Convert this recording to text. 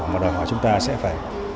mà đòi hỏi chúng ta sẽ phải